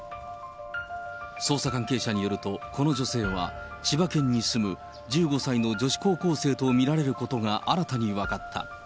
捜査関係者によると、この女性は、千葉県に住む１５歳の女子高校生と見られることが新たに分かった。